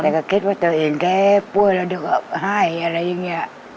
แต่ก็คิดว่าตัวเองแกป่วยแล้วเดี๋ยวก็ให้อะไรอย่างนี้